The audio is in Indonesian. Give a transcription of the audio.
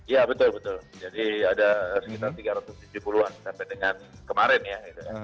ya betul betul jadi ada sekitar tiga ratus tujuh puluh an sampai dengan kemarin ya